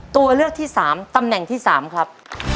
ตัวเลือกที่๓ตำแหน่งที่๓ครับ